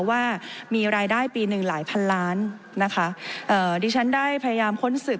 ว่ามีรายได้ปีหนึ่งหลายพันล้านนะคะเอ่อดิฉันได้พยายามค้นสืบ